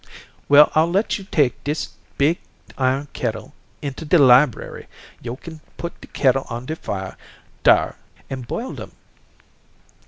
"Well, I'll let yo' take dis big iron kettle into de library. Yo' kin put de kettle on de fire, dar, an' boil dem."